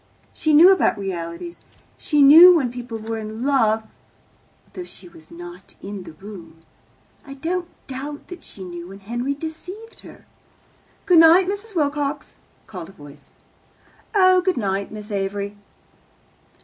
She knew about realities. She knew when people were in love, though she was not in the room. I don't doubt that she knew when Henry deceived her." "Good night, Mrs. Wilcox," called a voice. "Oh, good night, Miss Avery."